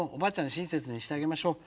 親切にしてあげましょう。